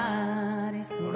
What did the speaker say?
あれ？